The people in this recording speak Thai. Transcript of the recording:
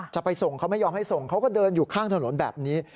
จะไปส่งเขาไม่ยอมให้ส่งเขาก็เดินอยู่ข้างถนนแบบนี้